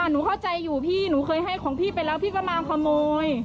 หนูเข้าใจอยู่พี่หนูเคยให้ของพี่ไปแล้วพี่ก็มาขโมย